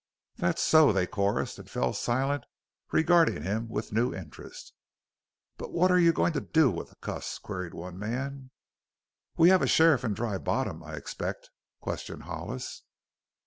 "That's so," they chorused, and fell silent, regarding him with a new interest. "But what are you goin' to do with the cuss?" queried one man. "We have a sheriff in Dry Bottom, I expect?" questioned Hollis.